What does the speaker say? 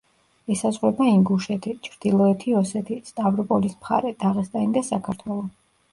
ესაზღვრება ინგუშეთი, ჩრდილოეთი ოსეთი, სტავროპოლის მხარე, დაღესტანი და საქართველო.